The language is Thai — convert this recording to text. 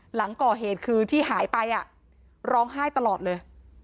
หลังก่อเหตุคือที่หายไปร้องไห้ตลอดเลย